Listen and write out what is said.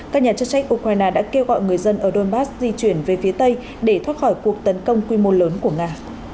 các nhà chức trách ukraine đã kêu gọi người dân ở donbass di chuyển về phía tây để thoát khỏi cuộc tấn công quy mô lớn của nga